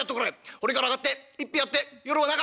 堀から上がって一杯やって夜は仲！